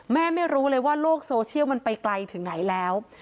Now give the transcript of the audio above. ไม่รู้เลยว่าโลกโซเชียลมันไปไกลถึงไหนแล้ว